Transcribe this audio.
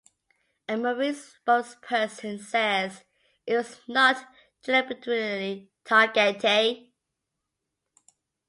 A Marine spokesperson says it was not deliberately targete.